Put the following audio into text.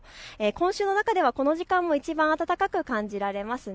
今週の中ではこの時間、いちばん暖かく感じられます。